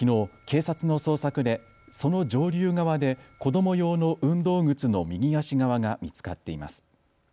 警察の捜索でその上流側で子ども用の運動靴の右足側が見つかっています。